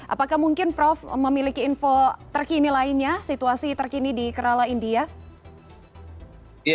apakah mungkin prof memiliki info terkini lainnya situasi terkini di kerala india